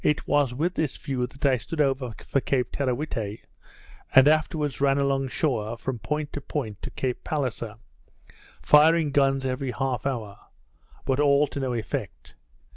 It was with this view that I stood over for Cape Teerawhitte, and afterwards ran along shore, from point to point, to Cape Palliser, firing guns every half hour; but all to no effect.